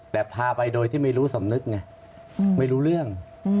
แต่พาไปโดยที่ไม่รู้สำนึกไงไม่รู้เรื่อง